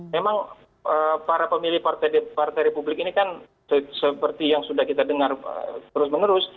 memang para pemilih partai republik ini kan seperti yang sudah kita dengar terus menerus